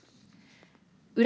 裏